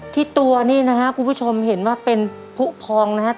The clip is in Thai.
ที่ตัวนี่นะครับคุณผู้ชมเห็นว่าเป็นผู้พองนะครับ